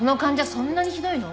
そんなにひどいの？